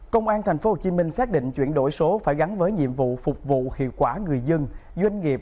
công an tp hcm xác định chuyển đổi số phải gắn với nhiệm vụ phục vụ hiệu quả người dân doanh nghiệp